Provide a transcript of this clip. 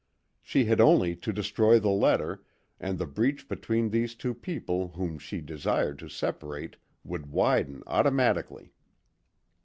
She had only to destroy the letter, and the breach between the two people whom she desired to separate would widen automatically.